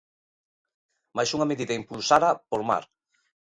Máis unha medida impulsada por Mar.